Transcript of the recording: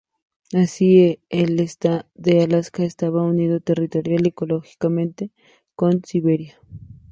Así el este de Alaska estaba unido territorial, y ecológicamente, con Siberia.